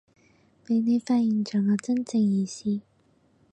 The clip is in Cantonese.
畀你發現咗我真正意思